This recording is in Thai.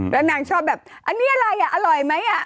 แล้วนางชอบแบบอันนี้อะไรอ่ะอร่อยไหมอ่ะ